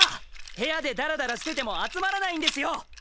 部屋でだらだらしてても集まらないんですよ！